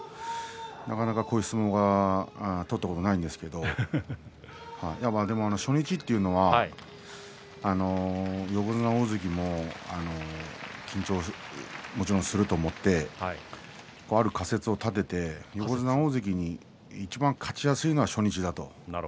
なかなかこういう相撲取れたことないんですけどでも初日というのは横綱、大関も緊張、もちろんすると思ってある仮説を立てて横綱、大関にいちばん勝ちやすいのは初日だと。